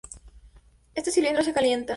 Este cilindro se calienta.